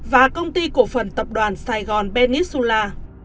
và công ty cổ phần tập đoàn saigon peninsula